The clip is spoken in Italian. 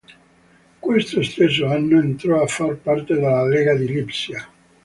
Quello stesso anno, entrò a far parte della lega di Lipsia.